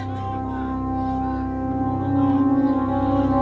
kepala kementerian perhubungan dan kementerian perhubungan